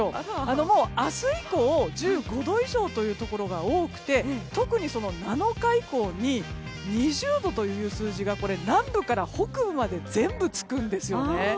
明日以降１５度以上というところが多くて特に７日以降に２０度という数字が南部から北部まで全てつくんですよね。